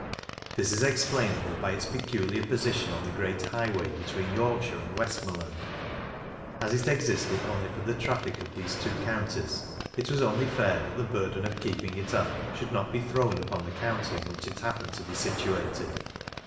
This is explainable by its peculiar position on the great highway between Yorkshire and Westmorland. As it existed only for the traffic of these two counties, it was only fair that the burden of keeping it up should not be thrown on the county in which it happened to be situated.